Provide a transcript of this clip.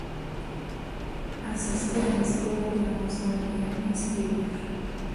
Asiste a la escuela, pero no sabe leer ni escribir.